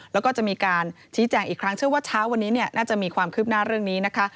แล้วก็จะมีการชี้แจงอีกครั้งเชื่อว่าเช้าวันนี้น่าจะมีความคืบหน้าเรื่องนี้นะคะ